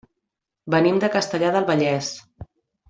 Venim de Castellar del Vallès.